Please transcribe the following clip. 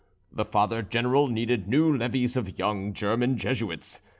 The Father General needed new levies of young German Jesuits.